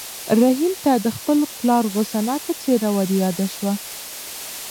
رحیم ته د خپل پلار غوسه ناکه څېره وریاده شوه.